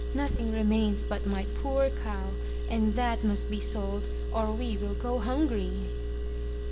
Nothing remains but my poor cow, and that must be sold or we will go hungry.'